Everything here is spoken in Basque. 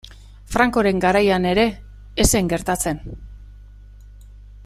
Francoren garaian ere ez zen gertatzen.